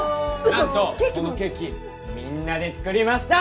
何とこのケーキみんなで作りました！